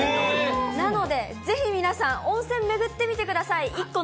なので、ぜひ皆さん、温泉巡ってみてください。